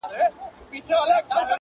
خو چي راغلې پر موږ کرونا ده!!